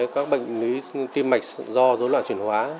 các bệnh tim mạch do rối loạn chuyển hóa